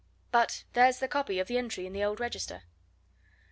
But there's the copy of the entry in the old register."